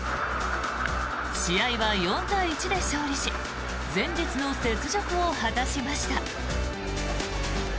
試合は４対１で勝利し前日の雪辱を果たしました。